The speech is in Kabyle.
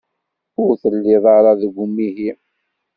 Ur telliḍ ara deg umihi.